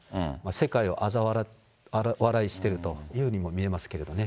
世界をあざ笑いしているというふうにも見えますけれどね。